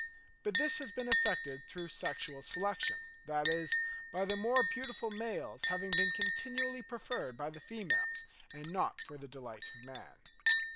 But this has been effected through sexual selection, that is, by the more beautiful males having been continually preferred by the females, and not for the delight of man.